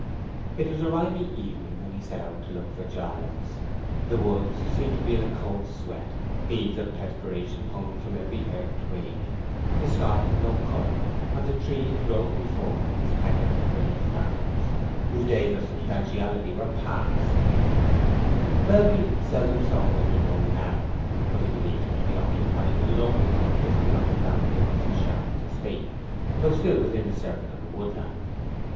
It was a rimy evening when he set out to look for Giles. The woods seemed to be in a cold sweat; beads of perspiration hung from every bare twig; the sky had no color, and the trees rose before him as haggard, gray phantoms, whose days of substantiality were passed. Melbury seldom saw Winterborne now, but he believed him to be occupying a lonely hut just beyond the boundary of Mrs. Charmond's estate, though still within the circuit of the woodland.